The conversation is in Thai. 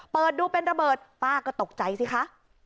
เปิดดูเป็นระเบิดป้าก็ตกใจสิคะ